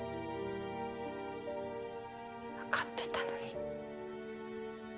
わかってたのに。